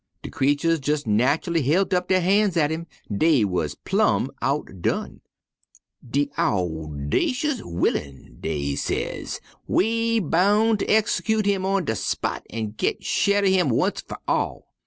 De creeturs jes' natchully hilt up der han's at him, dey wuz plumb outdone. 'De owdacious vilyun!' dey ses, 'we boun' ter exescoot him on de spot an' git shed uv 'im onct fer all.'